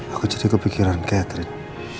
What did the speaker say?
aku jadi kepikiran catherine